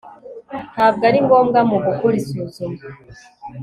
ntabwo ari ngombwa mu gukora isuzuma